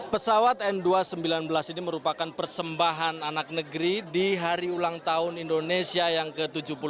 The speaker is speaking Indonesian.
pesawat n dua ratus sembilan belas ini merupakan persembahan anak negeri di hari ulang tahun indonesia yang ke tujuh puluh delapan